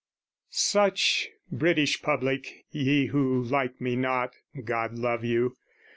Such, British Public, ye who like me not, (God love you!)